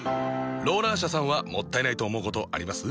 ローラー車さんはもったいないと思うことあります？